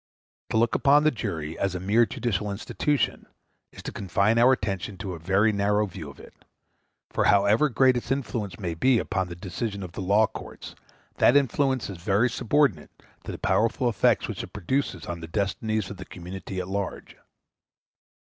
To look upon the jury as a mere judicial institution is to confine our attention to a very narrow view of it; for however great its influence may be upon the decisions of the law courts, that influence is very subordinate to the powerful effects which it produces on the destinies of the community at large.